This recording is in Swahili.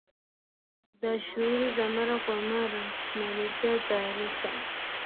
za shughuli za mara kwa mara naleteya taarifa